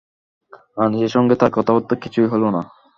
আনিসের সঙ্গে তার কথাবার্তা কিছু হলো না।